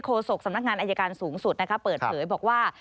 โศกสำนักงานอายการสูงสุดเปิดเผยบอกว่า